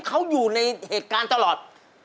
เขาอยู่ในเหตุการณ์ตลอด